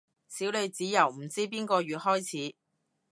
小女子由唔知邊個月開始